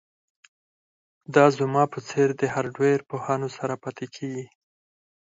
دا زما په څیر د هارډویر پوهانو سره پاتې کیږي